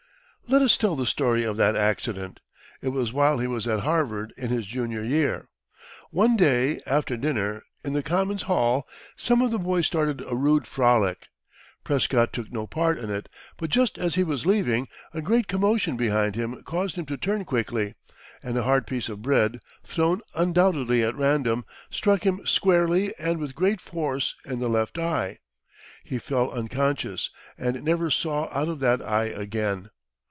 Let us tell the story of that accident. It was while he was at Harvard, in his junior year. One day after dinner, in the Commons Hall, some of the boys started a rude frolic. Prescott took no part in it, but just as he was leaving, a great commotion behind him caused him to turn quickly, and a hard piece of bread, thrown undoubtedly at random, struck him squarely and with great force in the left eye. He fell unconscious, and never saw out of that eye again.